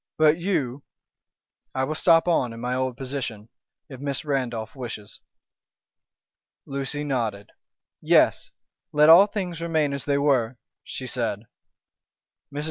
But you " "I will stop on in my old position, if Miss Randolph wishes." Lucy nodded. "Yes! let all things remain as they were," she said. Mrs.